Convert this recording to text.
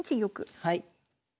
はい。